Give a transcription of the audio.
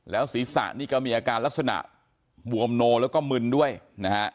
ศีรษะนี่ก็มีอาการลักษณะบวมโนแล้วก็มึนด้วยนะฮะ